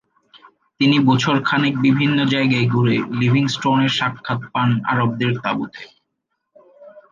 তিনি বছর খানেক বিভিন্ন জায়গায় ঘুরে লিভিংস্টোনের সাক্ষাৎ পান আরবদের তাঁবুতে।